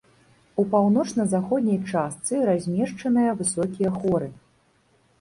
У паўночна-заходняй частцы размешчаныя высокія хоры.